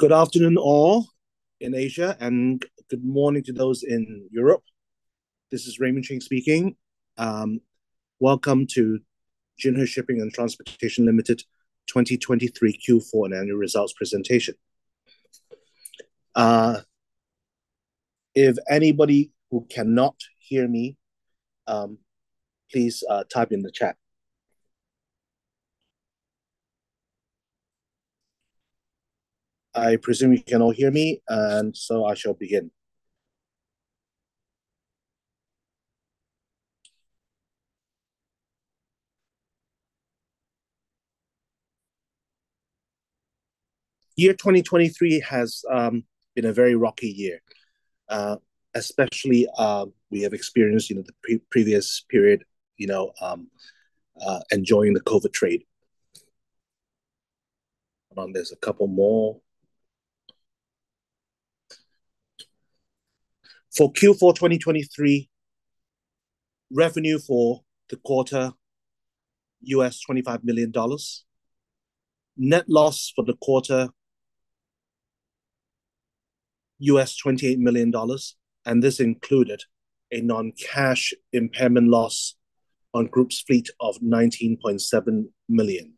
Good afternoon, all in Asia, and good morning to those in Europe. This is Raymond Ching speaking. Welcome to Jinhui Shipping and Transportation Limited 2023 Q4 and annual results presentation. If anybody who cannot hear me, please type in the chat. I presume you can all hear me, and so I shall begin. Year 2023 has been a very rocky year. Especially, we have experienced, you know, the pre-previous period, you know, enjoying the COVID trade. Hold on, there's a couple more. For Q4 2023, revenue for the quarter, $25 million. Net loss for the quarter, $28 million, and this included a non-cash impairment loss on group's fleet of $19.7 million.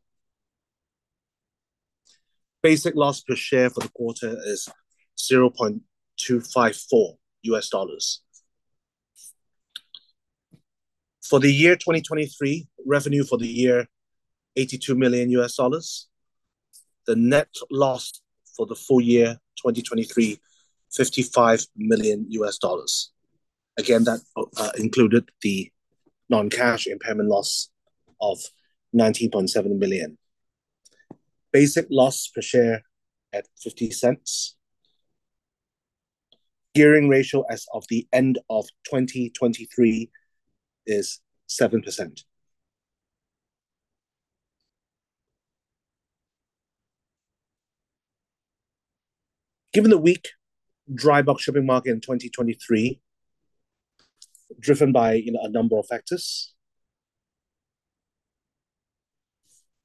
Basic loss per share for the quarter is $0.254. For the year 2023, revenue for the year, $82 million. The net loss for the full year 2023, $55 million. Again, that included the non-cash impairment loss of $19.7 million. Basic loss per share at $0.50. Gearing ratio as of the end of 2023 is 7%. Given the weak dry bulk shipping market in 2023, driven by, you know, a number of factors: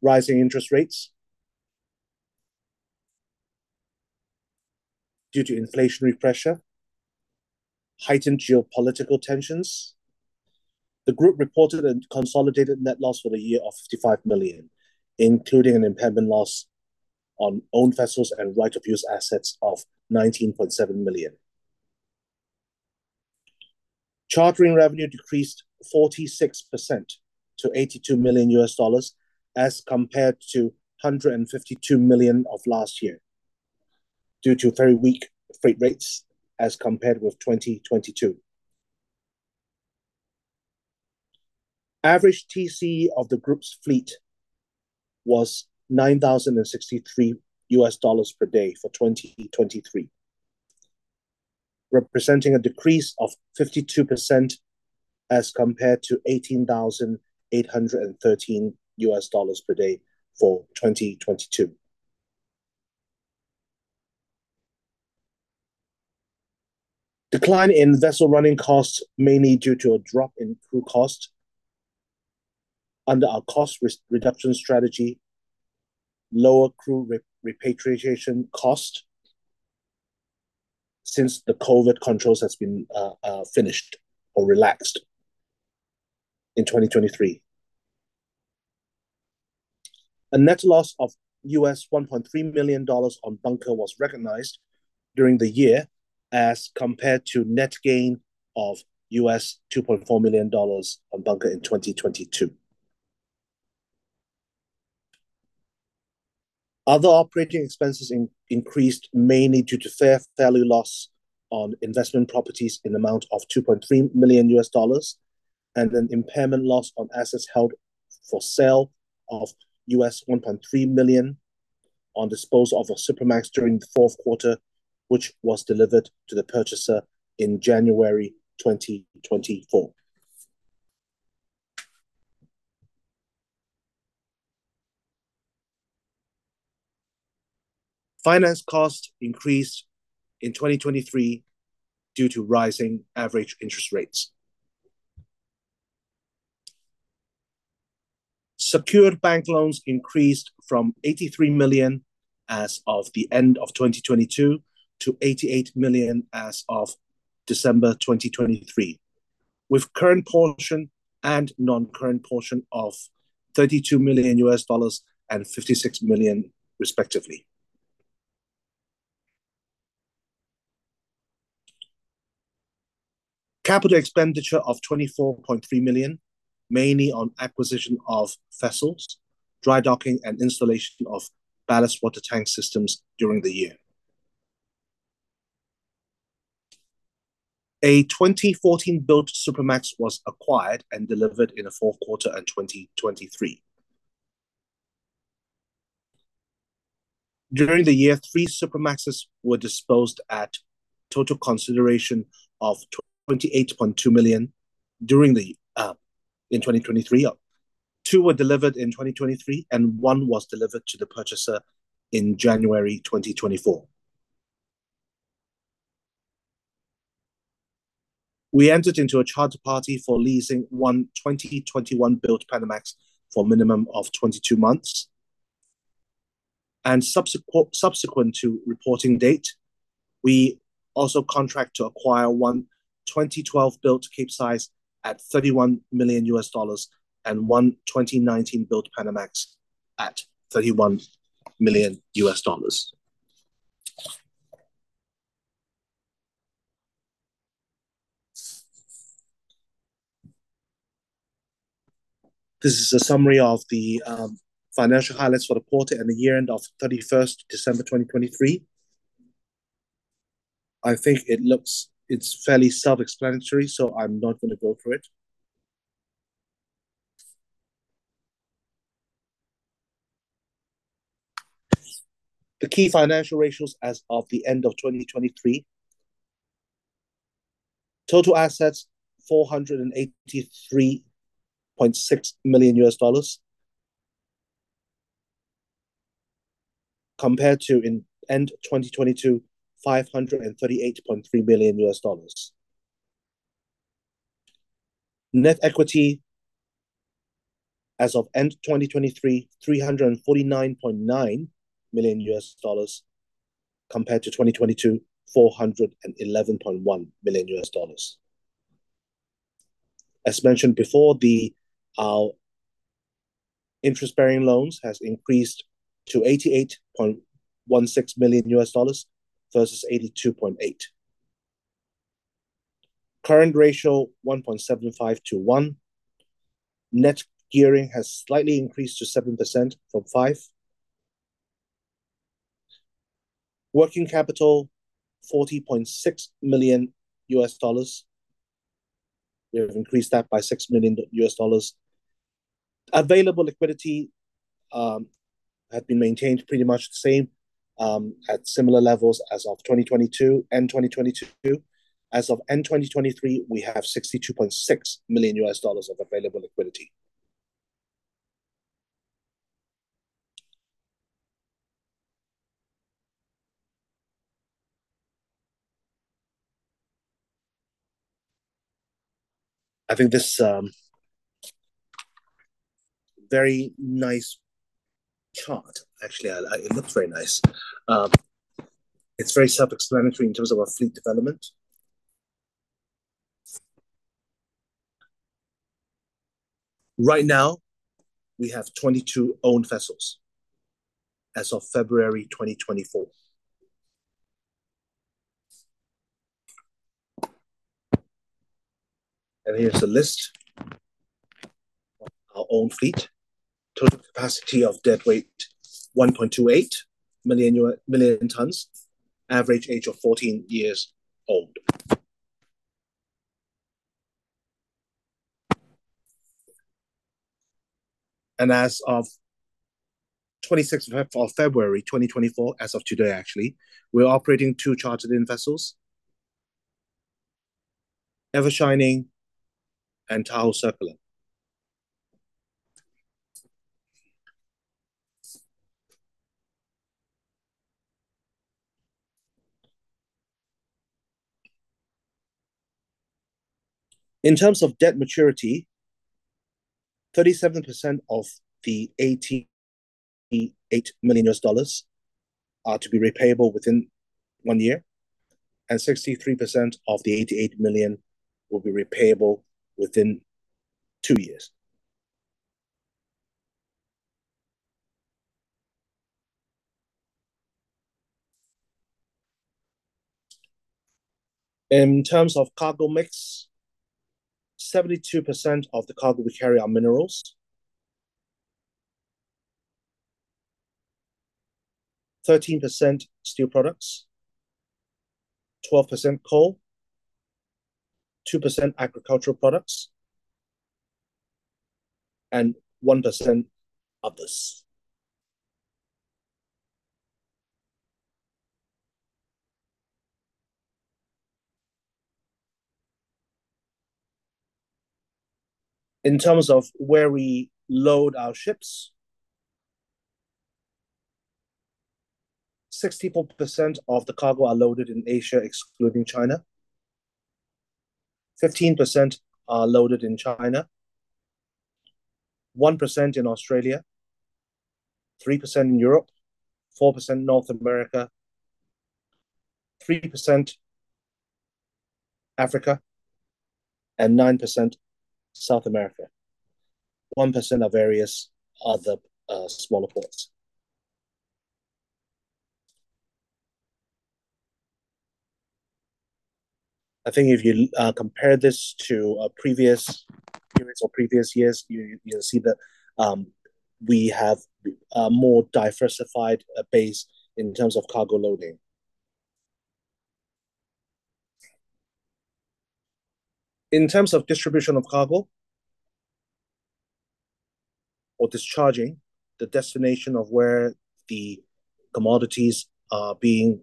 Rising interest rates due to inflationary pressure, heightened geopolitical tensions. The group reported a consolidated net loss for the year of $55 million, including an impairment loss on own vessels and right-of-use assets of $19.7 million. Chartering revenue decreased 46% to $82 million as compared to $152 million of last year, due to very weak freight rates as compared with 2022. Average TC of the group's fleet was $9,063 per day for 2023, representing a decrease of 52% as compared to $18,813 per day for 2022. Decline in vessel running costs, mainly due to a drop in crew cost under our cost reduction strategy, lower crew repatriation cost since the COVID controls has been finished or relaxed in 2023. A net loss of $1.3 million on bunker was recognized during the year, as compared to net gain of $2.4 million on bunker in 2022. Other operating expenses increased, mainly due to fair value loss on investment properties in amount of $2.3 million, and an impairment loss on assets held for sale of $1.3 million on disposal of a Supramax during the fourth quarter, which was delivered to the purchaser in January 2024. Finance costs increased in 2023 due to rising average interest rates. Secured bank loans increased from $83 million as of the end of 2022 to $88 million as of December 2023, with current portion and non-current portion of $32 million and $56 million, respectively. Capital expenditure of $24.3 million, mainly on acquisition of vessels, dry docking, and installation of ballast water tank systems during the year. A 2014-built Supramax was acquired and delivered in the fourth quarter in 2023. During the year, three Supramaxes were disposed at total consideration of $28.2 million in 2023. Two were delivered in 2023, and one was delivered to the purchaser in January 2024. We entered into a charter party for leasing one 2021-built Panamax for minimum of 22 months. Subsequent to reporting date, we also contract to acquire one 2012-built Capesize at $31 million, and one 2019-built Panamax at $31 million. This is a summary of the financial highlights for the quarter and the year end of 31st December 2023. I think it looks, it's fairly self-explanatory, so I'm not gonna go through it. The key financial ratios as of the end of 2023: total assets, $483.6 million, compared to in end 2022, $538.3 billion. Net equity as of end 2023, $349.9 million, compared to 2022, $411.1 million. As mentioned before, the interest-bearing loans has increased to $88.16 billion versus $82.8 billion. Current ratio, 1.75 to 1. Net gearing has slightly increased to 7% from 5%. Working capital, $40.6 million. We have increased that by $6 million. Available liquidity have been maintained pretty much the same at similar levels as of 2022, end 2022. As of end 2023, we have $62.6 million of available liquidity. I think this very nice chart. Actually, it looks very nice. It's very self-explanatory in terms of our fleet development. Right now, we have 22 owned vessels as of February 2024. Here's a list of our own fleet. Total capacity of deadweight, 1.28 million tons, average age of 14 years old. As of 26th of February 2024, as of today, actually, we're operating two chartered in vessels, Ever Shining and Taho Circulus. In terms of debt maturity, 37% of the $88 million are to be repayable within one year, and 63% of the $88 million will be repayable within two years. In terms of cargo mix, 72% of the cargo we carry are minerals, 13% steel products, 12% coal, 2% agricultural products, and 1% others. In terms of where we load our ships, 64% of the cargo are loaded in Asia, excluding China. 15% are loaded in China, 1% in Australia, 3% in Europe, 4% North America, 3% Africa, and 9% South America. 1% are various other smaller ports. I think if you compare this to previous periods or previous years, you, you'll see that we have a more diversified base in terms of cargo loading. In terms of distribution of cargo or discharging, the destination of where the commodities are being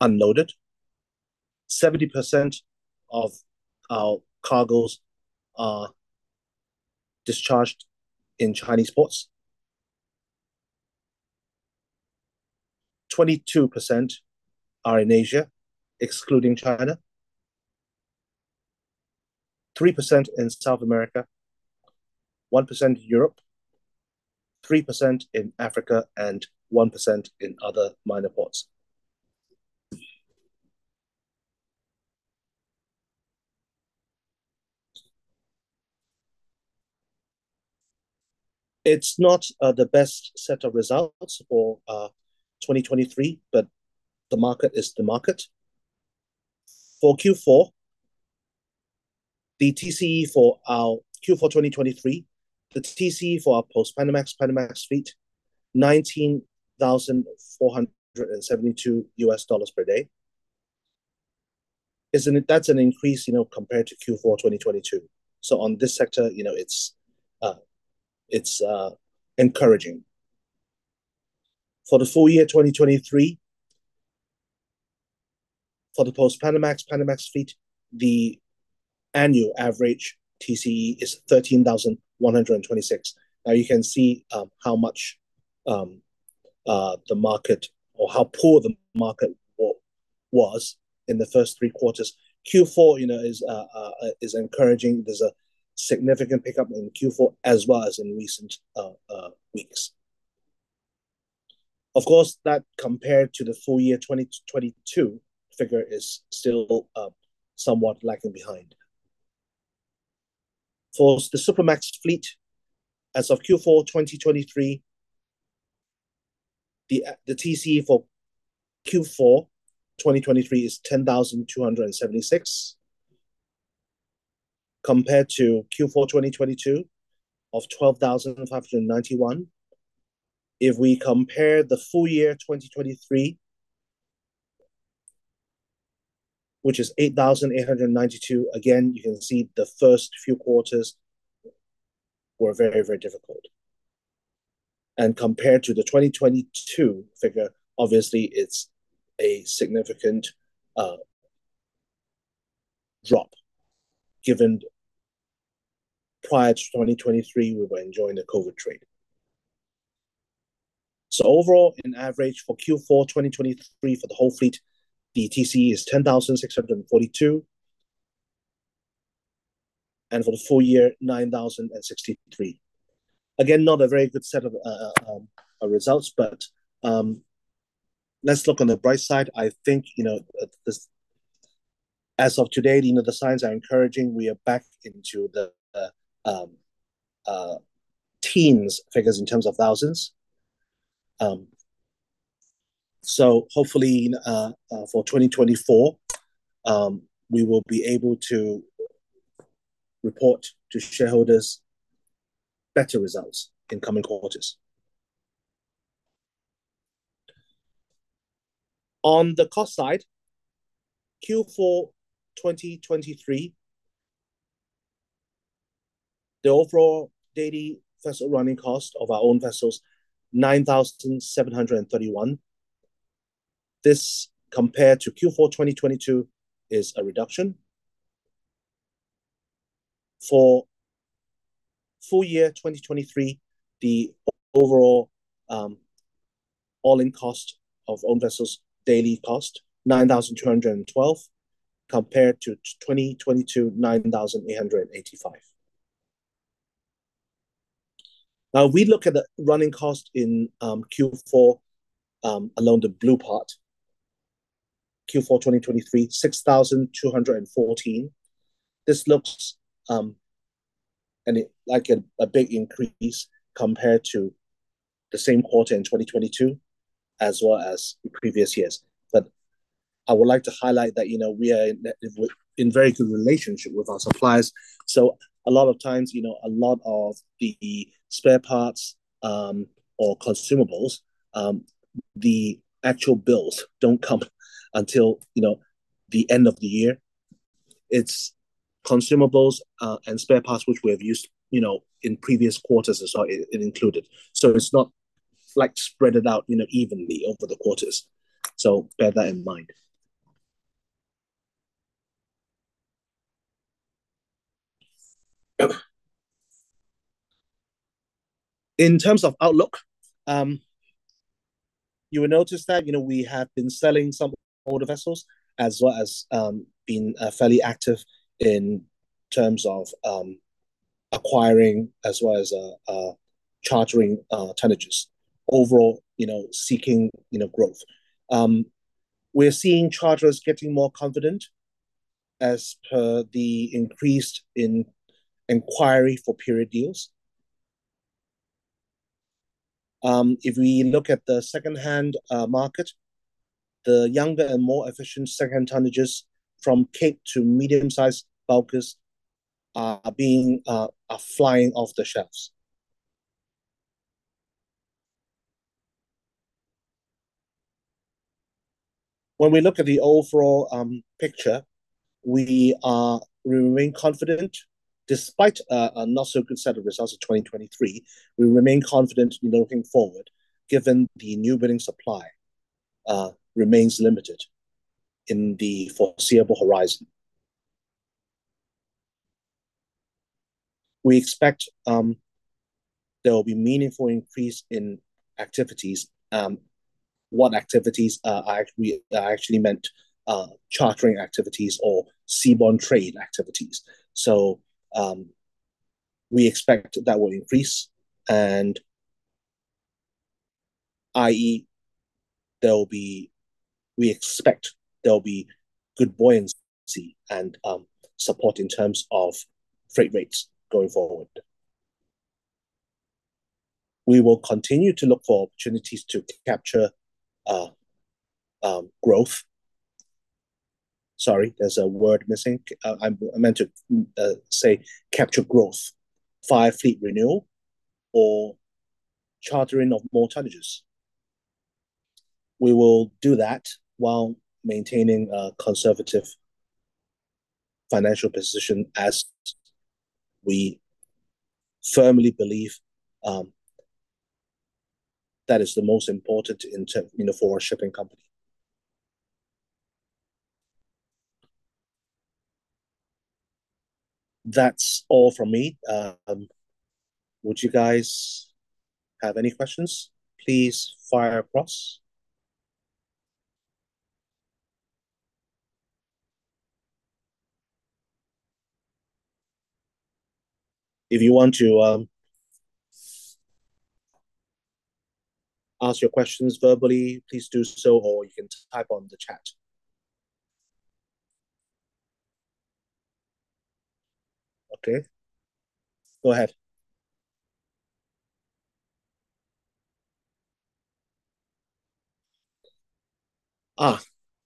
unloaded, 70% of our cargoes are discharged in Chinese ports.... 22% are in Asia, excluding China, 3% in South America, 1% Europe, 3% in Africa, and 1% in other minor ports. It's not the best set of results for 2023, but the market is the market. For Q4, the TCE for our Q4 2023, the TCE for our post-Panamax, Panamax fleet, $19,472 per day. Isn't it-- That's an increase, you know, compared to Q4 2022. So on this sector, you know, it's encouraging. For the full year 2023, for the post-Panamax, Panamax fleet, the annual average TCE is $13,126. Now, you can see how much the market or how poor the market or was in the first three quarters. Q4, you know, is encouraging. There's a significant pickup in Q4, as well as in recent weeks. Of course, that compared to the full year 2022 figure, is still somewhat lagging behind. For the Supramax fleet, as of Q4 2023, the TCE for Q4 2023 is $10,276, compared to Q4 2022 of $12,591. If we compare the full year 2023, which is $8,892, again, you can see the first few quarters were very, very difficult. And compared to the 2022 figure, obviously, it's a significant drop, given prior to 2023, we were enjoying the COVID trade. So overall, in average for Q4 2023, for the whole fleet, the TCE is $10,642, and for the full year, $9,063. Again, not a very good set of results, but let's look on the bright side. I think, you know, as of today, you know, the signs are encouraging. We are back into the teens figures in terms of thousands. So hopefully in 2024, we will be able to report to shareholders better results in coming quarters. On the cost side, Q4 2023, the overall daily vessel running cost of our own vessels, $9,731. This, compared to Q4 2022, is a reduction. For full year 2023, the overall, all-in cost of own vessels' daily cost, $9,212, compared to 2022, $9,885. Now, we look at the running cost in Q4, along the blue part. Q4 2023, $6,214. This looks like a big increase compared to the same quarter in 2022, as well as the previous years. But I would like to highlight that, you know, we are in very good relationship with our suppliers, so a lot of times, you know, a lot of the spare parts or consumables, the actual bills don't come until, you know, the end of the year. It's consumables and spare parts, which we have used, you know, in previous quarters as well included. So it's not, like, spread out, you know, evenly over the quarters. So bear that in mind. In terms of outlook, you will notice that, you know, we have been selling some older vessels as well as being fairly active in terms of acquiring as well as chartering tonnages. Overall, you know, seeking, you know, growth. We're seeing charters getting more confident as per the increased in inquiry for period deals. If we look at the secondhand market, the younger and more efficient secondhand tonnages from cape to medium-sized bulkers are flying off the shelves. When we look at the overall picture, we remain confident. Despite a not-so-good set of results of 2023, we remain confident, you know, looking forward, given the new building supply remains limited in the foreseeable horizon. We expect there will be meaningful increase in activities. What activities? I actually meant chartering activities or seaborne trade activities. So, we expect that will increase and, i.e., there'll be good buoyancy and support in terms of freight rates going forward. We will continue to look for opportunities to capture growth. Sorry, there's a word missing. I meant to say capture growth via fleet renewal or chartering of more tonnages. We will do that while maintaining a conservative financial position as we firmly believe that is the most important in term, you know, for a shipping company. That's all from me. Would you guys have any questions? Please fire across. If you want to ask your questions verbally, please do so, or you can type on the chat. Okay, go ahead.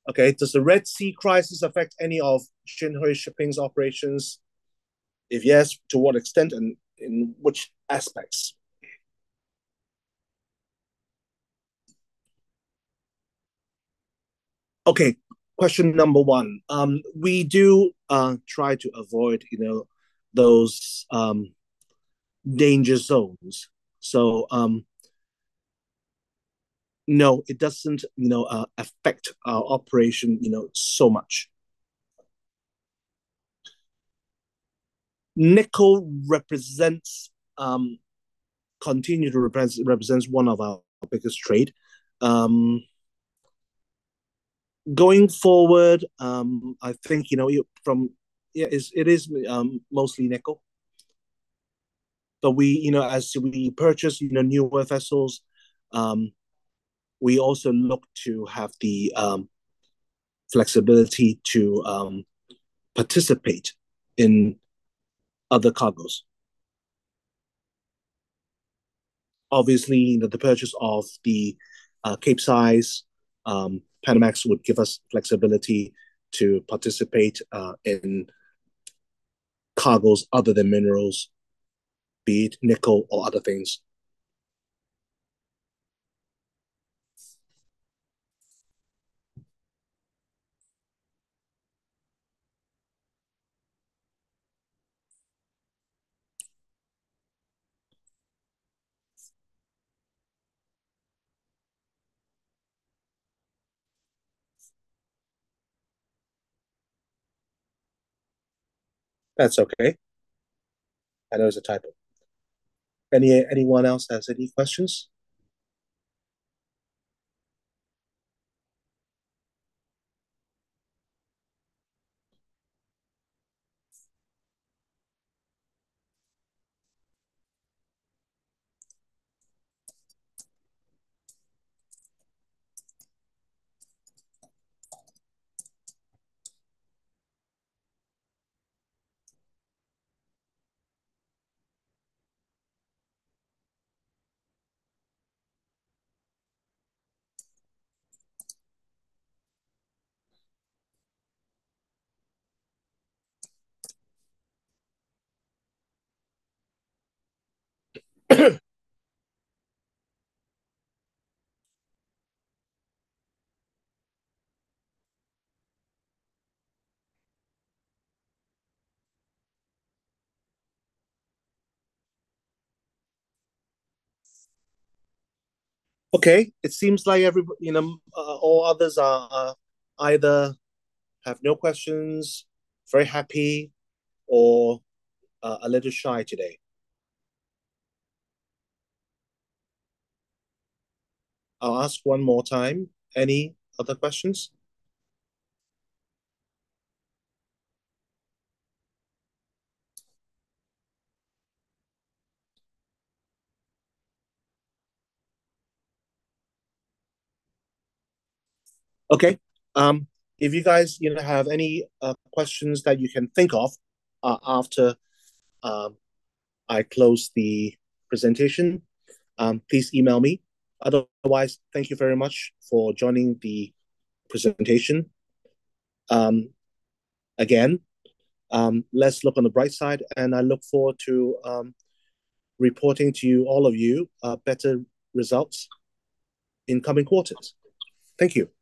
Okay. Does the Red Sea crisis affect any of Jinhui Shipping's operations? If yes, to what extent and in which aspects? Okay, question number one. We do try to avoid, you know, those danger zones. So, no, it doesn't, you know, affect our operation, you know, so much. Nickel represents one of our biggest trade. Going forward, I think, you know, from... Yeah, it's, it is, mostly nickel, but we, you know, as we purchase, you know, newer vessels, we also look to have the flexibility to participate in other cargos. Obviously, the purchase of the Capesize Panamax would give us flexibility to participate in cargos other than minerals, be it nickel or other things. That's okay. I know it's a typo. Anyone else has any questions? Okay, it seems like every, you know, all others are, either have no questions, very happy, or, a little shy today. I'll ask one more time. Any other questions? Okay, if you guys, you know, have any, questions that you can think of, after, I close the presentation, please email me. Otherwise, thank you very much for joining the presentation. Again, let's look on the bright side, and I look forward to, reporting to you, all of you, better results in coming quarters. Thank you.